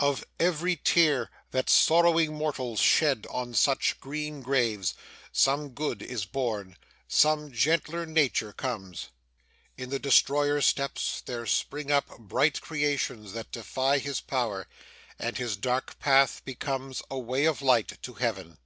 Of every tear that sorrowing mortals shed on such green graves, some good is born, some gentler nature comes. In the Destroyer's steps there spring up bright creations that defy his power, and his dark path becomes a way of light to Heaven.